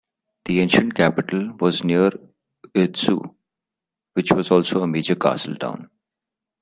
The ancient capital was near Ōtsu, which was also a major castle town.